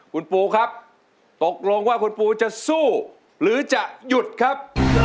คุณปูครับตกลงว่าคุณปูจะสู้หรือจะหยุดครับ